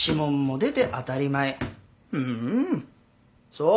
そう。